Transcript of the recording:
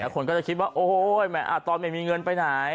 คนก็จะคิดว่าโอ๊ยตอนไม่มีเงินไปไหน